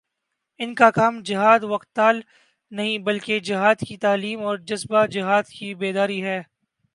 ان کا کام جہاد و قتال نہیں، بلکہ جہادکی تعلیم اور جذبۂ جہاد کی بیداری ہے